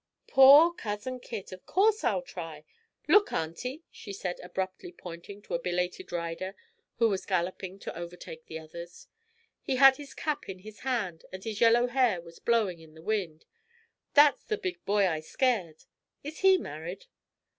"Poor Cousin Kit! Of course I'll try! Look, Aunty," she said, abruptly pointing to a belated rider who was galloping to overtake the others. He had his cap in his hand, and his yellow hair was blowing in the wind. "That's the big boy I scared. Is he married?"